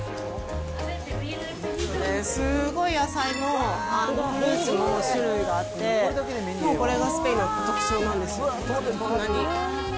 すごい野菜も、フルーツも種類があって、もうこれがスペインの特徴なんですよ。